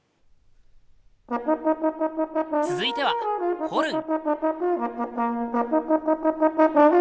続いてはホルン！